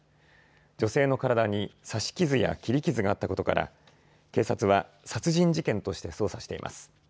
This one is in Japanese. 女性の体に刺し傷や切り傷があったことから警察は殺人事件として捜査しています。